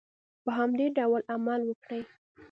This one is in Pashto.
په همدې ډول عمل وکړئ.